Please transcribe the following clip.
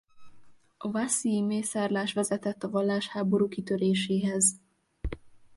A wassy-i mészárlás vezetett a vallásháború kitöréséhez.